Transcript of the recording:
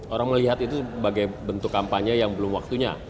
orang melihat itu sebagai bentuk kampanye yang belum waktunya